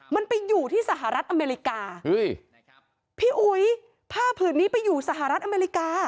มันไปอยู่ที่สหรัฐอเมริกาพี่อุ๋ยผ้าผืนนี้ไปอยู่สหรัฐอเมริกา